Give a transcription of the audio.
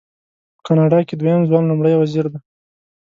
په کاناډا کې دویم ځوان لومړی وزیر دی.